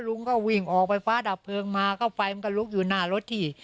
ลุงก็วิ่งออกไปฟ้าดับเพลิงมาก็ไฟมันก็ลุกอยู่หน้ารถที่